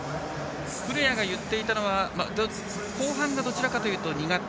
古屋が言っていたのは後半がどちらかというと苦手。